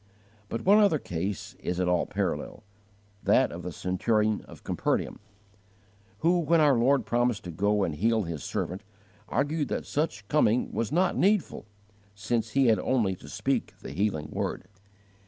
But one other case is at all parallel, that of the centurion of Capernaum,* who, when our Lord promised to go and heal his servant, argued that such coming was not needful, since He had only to speak the healing word.